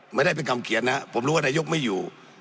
ไม่ได้เป็นคำเขียนนะครับผมรู้ว่านายกไม่อยู่